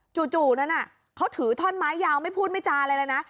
จู่นั้นเขาถือท่อนไม้ยาวไม่พูดไม่จาอะไรเลยนะ